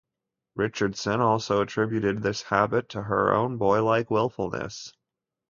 Richardson also attributed this habit to her own boylike willfulness.